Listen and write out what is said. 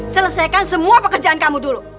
selesaikan semua pekerjaan kamu dulu